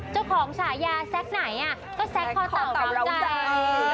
เจ้าของฉายาแซคไหนก็แซคคอต่อกล้องใจ